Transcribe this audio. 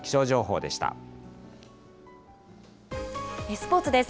スポーツです。